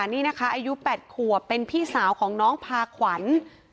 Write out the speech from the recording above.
นี่นะคะอายุ๘ขวบเป็นพี่สาวของน้องพาขวัญ